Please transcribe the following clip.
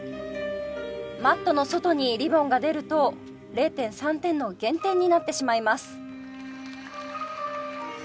マットの外にリボンが出ると０．３点の減点になってしまいます。